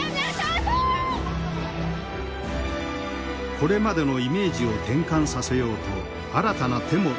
これまでのイメージを転換させようと新たな手も打ち始めた。